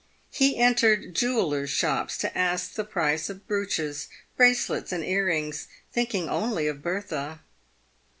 He entered jewellers' shops to PAVED WITH GOLD. 299 ask the price of brooches, bracelets, and earrings, thinking only of Bertha.